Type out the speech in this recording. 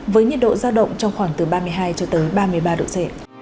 với nhiệt độ giao động trong khoảng từ ba mươi hai cho tới ba mươi ba độ c